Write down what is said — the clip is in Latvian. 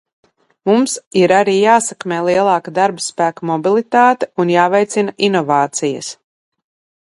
Mums ir arī jāsekmē lielāka darbaspēka mobilitāte un jāveicina inovācijas.